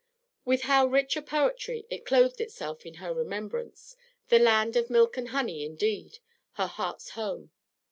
With how rich a poetry it clothed itself in her remembrance, the land of milk and honey, indeed, her heart's home.